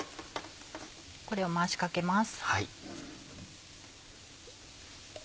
これを回しかけます。